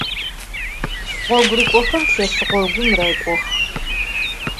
Ğogurık'oxer lhes ğogum rek'ox.